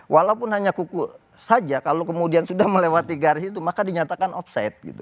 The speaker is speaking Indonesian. walaupun hanya kuku saja kalau kemudian sudah melewati garis itu maka dinyatakan offside gitu